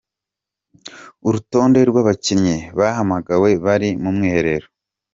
Urutonde rw’abakinnyi bahamagawe bari mu mwiherero.